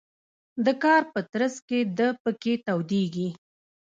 د کار په ترڅ کې د پکې تودیږي.